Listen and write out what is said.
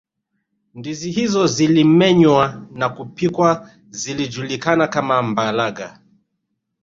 ndizi hizo zilimenywa na kupikwa zilijulikana kama mbalaga